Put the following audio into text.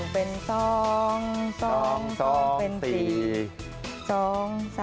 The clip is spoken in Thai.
๒๑เป็น๒๒๒เป็น๔